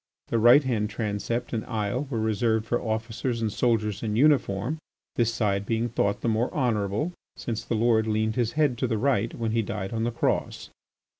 The right hand transept and aisle were reserved for officers and soldiers in uniform, this side being thought the more honourable, since the Lord leaned his head to the right when he died on the Cross.